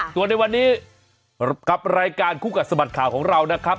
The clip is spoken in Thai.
ตัวในวันนี้กับรายการคุกกับสมัติข่าวของเรานะครับ